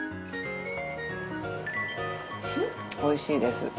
おいしいです。